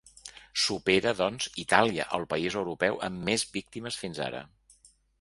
Supera, doncs, Itàlia, el país europeu amb més víctimes fins ara.